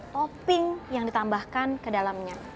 topping yang ditambahkan ke dalamnya